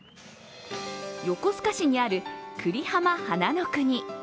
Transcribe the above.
横須賀市にあるくりはま花の国。